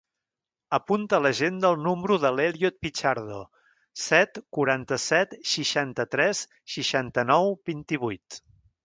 Apunta a l'agenda el número de l'Elliot Pichardo: set, quaranta-set, seixanta-tres, seixanta-nou, vint-i-vuit.